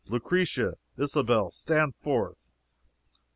Lucretia, Isabel, stand forth!